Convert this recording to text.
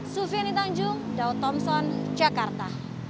sufiany tanjung daud thompson jakarta